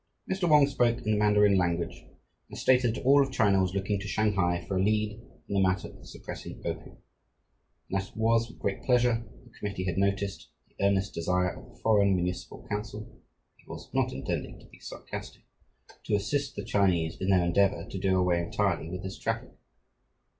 Mr. Wong spoke in the Mandarin language and stated that all of China was looking to Shanghai for a lead in the matter of suppressing opium and that it was with great pleasure the committee had noticed the earnest desire of the foreign Municipal Council (and he was not intending to be sarcastic!) to assist the Chinese in their endeavour to do away entirely with this traffic.